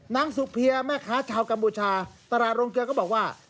นางสุเพียแม่ค้าชาวกัมพูชาตลาดโรงเกลือก็บอกว่า